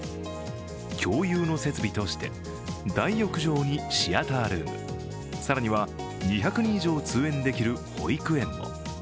共有の設備として大浴場にシアタールーム、更には２００人以上通園できる保育園も。